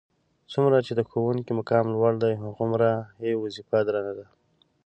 څومره چې د ښوونکي مقام لوړ دی هغومره یې وظیفه درنه ده.